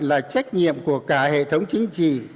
là trách nhiệm của cả hệ thống chính trị